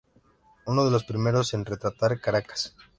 Uno de los primeros en retratar Caracas.